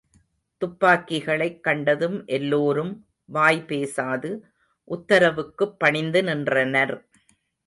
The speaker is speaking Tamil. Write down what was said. துப்பாக்கிகளைக் கண்டதும் எல்லோரும் வாய்பேசாது உத்தரவுக்குப் பணிந்து நின்றனர்.